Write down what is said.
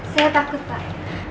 saya takut pak